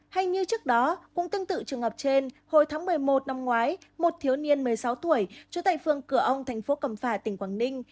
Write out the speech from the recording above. hay như trước đó cũng tương tự trường hợp trên hồi tháng một mươi một năm ngoái một thiếu niên một mươi sáu tuổi trở tại phương cửa ông thành phố cầm phà tỉnh quảng ninh